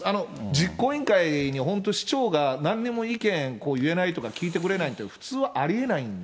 実行委員会に本当市長がなんにも意見言えないとか、聞いてくれないって、普通はありえないんで。